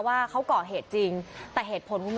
สวัสดีครับ